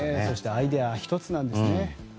そしてアイデアひとつなんですね。